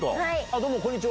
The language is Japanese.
どうもこんにちは。